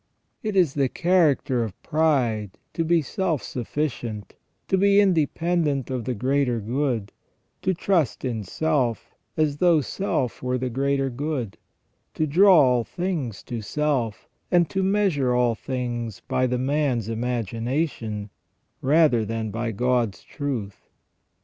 It is the character of pride to be self sufficient, to be independent of the greater good, to trust in self as though self were the greater good, to draw all things to self, and to measure all things by the man's imagination rather than by God's truth.